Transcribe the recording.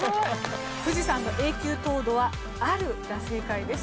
富士山の永久凍土は「ある」が正解です。